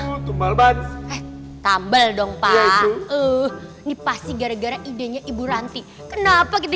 bourbon tobel dong pak practically gara gara idenya ibu ranti kenapa gitu